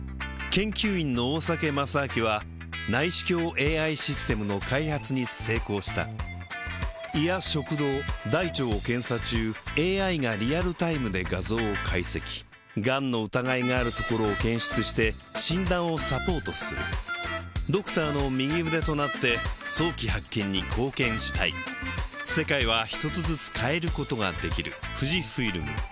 研究員の大酒正明は内視鏡ＡＩシステムの開発に成功した胃や食道大腸を検査中ＡＩがリアルタイムで画像を解析がんの疑いがあるところを検出して診断をサポートするドクターの右腕となって早期発見に貢献したいタンターン！